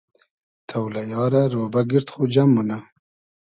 تۆلئیا رۂ رۉبۂ گیرد خو جئم مونۂ